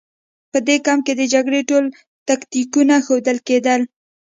په دې کمپ کې د جګړې ټول تکتیکونه ښودل کېدل